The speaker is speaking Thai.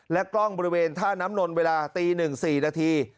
กล้องบริเวณท่าน้ำนนเวลาตี๑๔นาที